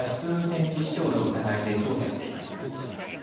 運転致死傷の疑いで捜査しています。